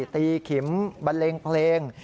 ขิมบันเลงเพลง